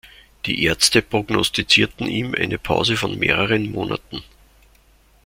Die Ärzte prognostizierten ihm eine Pause von mehreren Monaten.